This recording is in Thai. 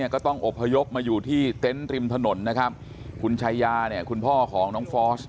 ก็ต้องอบพยพมาอยู่ที่เต็นต์ริมถนนนะครับคุณชายาเนี่ยคุณพ่อของน้องฟอส